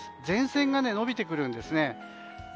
前線が延びてくるんですね。